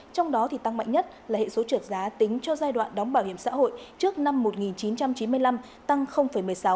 trong đó tăng mạnh nhất là hệ số trượt giá tính cho giai đoạn đóng bảo hiểm xã hội trước năm một nghìn chín trăm chín mươi năm tăng một mươi sáu